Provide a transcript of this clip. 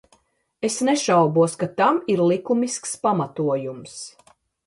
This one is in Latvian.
Es nešaubos, ka tam ir likumisks pamatojums.